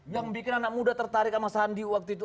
yang bikin anak muda tertarik sama sandi waktu itu